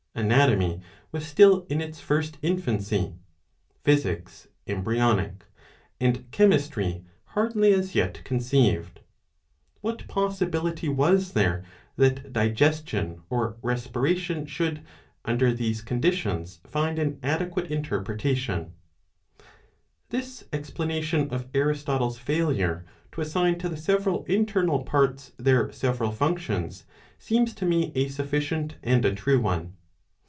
Anatomy was still in its first infancy, physics embryonic, and chemistry hardly as yet conceived. What possibility was there that digestion or respiration should, under these conditions, find an adequate interpretation } This explanation of Aristotle's failure ! to assign to the several internal parts their several functions seems tol me a sufficient and a true one.